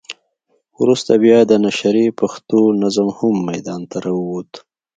وروسته بیا د نشرې پښتو نظم هم ميدان ته راووت.